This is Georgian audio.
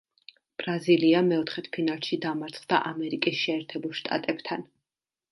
ბრაზილია მეოთხედფინალში დამარცხდა ამერიკის შეერთებულ შტატებთან.